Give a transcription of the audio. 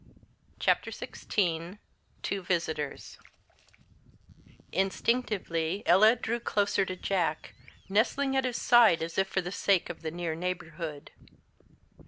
CHAPTER XVI TWO VISITORS Instinctively Ella drew closer to Jack, nestling at his side, as if for the sake of the near neighbourhood.